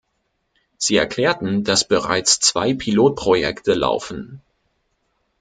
Sie erklärten, dass bereits zwei Pilotprojekte laufen.